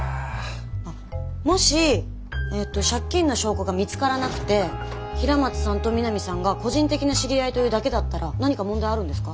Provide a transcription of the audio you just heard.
あっもしえっと借金の証拠が見つからなくて平松さんと三並さんが個人的な知り合いというだけだったら何か問題あるんですか？